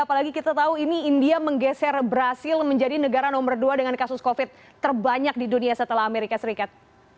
apalagi kita tahu ini india menggeser brazil menjadi negara nomor dua dengan kasus covid terbanyak di dunia setelah amerika serikat